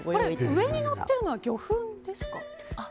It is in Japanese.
上にのってるのは魚粉ですか？